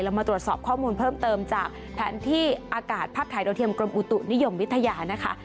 มาตรวจสอบข้อมูลเพิ่มเติมจากแผนที่อากาศภาพถ่ายโดยเทียมกรมอุตุนิยมวิทยานะคะ